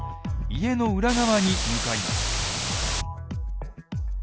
家の裏側に向かいます。